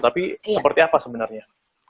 tapi seperti apa sebenarnya